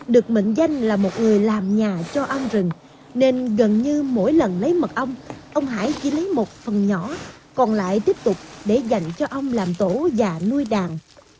được mệnh danh là một người làm nhà cho ăn rừng nên gần như mỗi lần lấy mật ong ông hải chỉ lấy một phần nhỏ còn lại tiếp tục để dành cho ông làm tổ và nuôi đàn